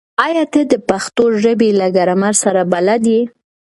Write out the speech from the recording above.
ایا ته د پښتو ژبې له ګرامر سره بلد یې؟